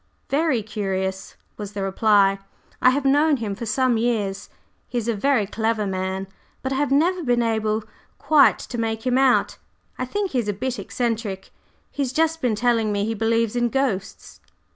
"Very curious!" was the reply. "I have known him for some years, he is a very clever man, but I have never been able quite to make him out. I think he is a bit eccentric. He's just been telling me he believes in ghosts."